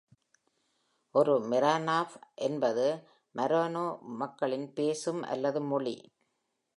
ஒரு "மெரானாவ்" என்பது மரானோ மக்களின் பேசும் அல்லது மொழி.